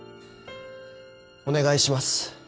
お願いします。